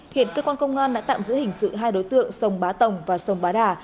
hiện cơ quan công an đã tạm giữ hình sự hai đối tượng sông bá tồng và sông bá đà